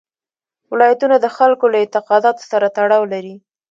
ولایتونه د خلکو له اعتقاداتو سره تړاو لري.